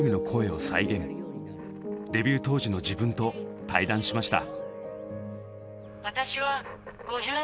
デビュー当時の自分と対談しました。